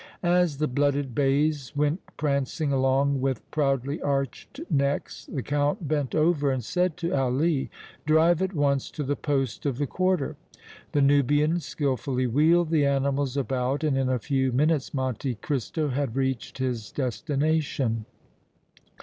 As the blooded bays went prancing along with proudly arched necks, the Count bent over and said to Ali: "Drive at once to the poste of the quarter." The Nubian skilfully wheeled the animals about and in a few minutes Monte Cristo had reached his destination.